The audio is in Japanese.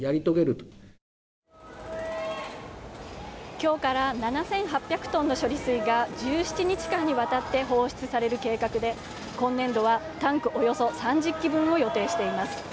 今日から７８００トンの処理水が１７日間にわたって放出される計画で今年度はタンクおよそ３０基分を予定しています